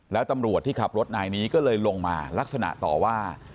แล้วตำรวจที่ขับรถนายนี้ก็เลยลงมาลักษณะต่อว่า